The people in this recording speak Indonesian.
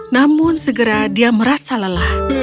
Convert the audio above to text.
namun segera dia merasa lelah